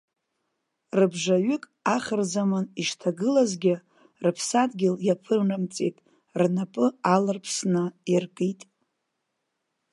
Рыбжаҩык, ахырзаман ишҭагылазгьы, рыԥсадгьыл иаԥырымҵит, рнапы аларԥсны иркит.